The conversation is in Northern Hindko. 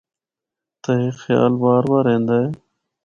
تے ہک خیال بار بار ایندا ہے۔